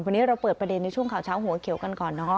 วันนี้เราเปิดประเด็นในช่วงข่าวเช้าหัวเขียวกันก่อนเนาะ